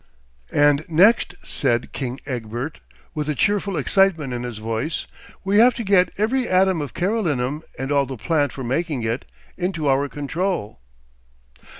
'And next,' said King Egbert, with a cheerful excitement in his voice, 'we have to get every atom of Carolinum and all the plant for making it, into our control....